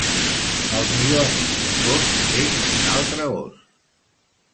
El millor amic d'un gos és un altre gos